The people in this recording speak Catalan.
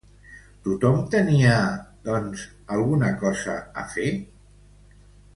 Tothom tenia, doncs, alguna cosa a fer?